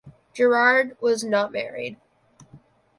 Gerard was not married.